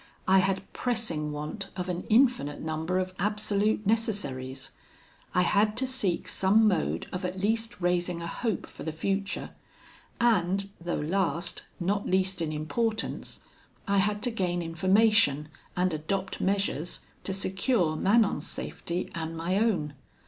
I had pressing want of an infinite number of absolute necessaries; I had to seek some mode of at least raising a hope for the future; and, though last, not least in importance, I had to gain information, and adopt measures, to secure Manon's safety and my own.